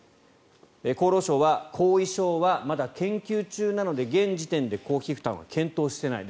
厚労省は後遺症はまだ研究中なので現時点で公費負担は検討していない。